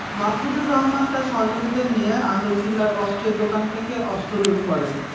মাহফুজুর রহমান তাঁর সহযোগীদের নিয়ে আন্দরকিল্লার অস্ত্রের দোকান থেকে অস্ত্র লুট করেন।